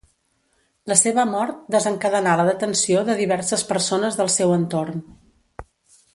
La seva mort desencadenà la detenció de diverses persones del seu entorn.